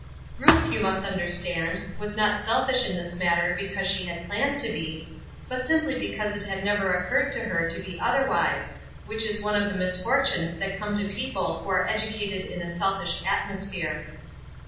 Ruth, you must understand, was not selfish in this matter because she had planned to be, but simply because it had never occurred to her to be otherwise, which is one of the misfortunes that come to people who are educated in a selfish atmosphere.